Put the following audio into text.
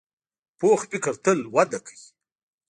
پوخ فکر تل وده کوي